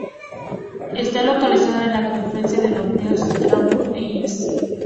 Está localizada en la confluencia de los ríos Tobol e Irtish.